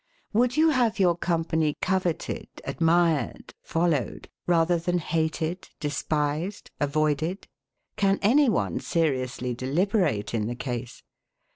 Would you have your company coveted, admired, followed; rather than hated, despised, avoided? Can any one seriously deliberate in the case?